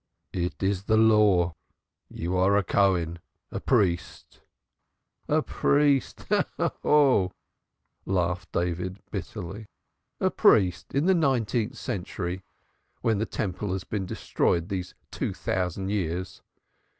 "It is the Law. You are a Cohen a priest." "A priest, Ha! Ha! Ha!" laughed David bitterly. "A priest in the nineteenth century! When the Temple has been destroyed these two thousand years."